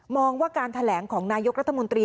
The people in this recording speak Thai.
ว่าการแถลงของนายกรัฐมนตรี